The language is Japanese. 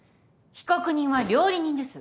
被告人は料理人です。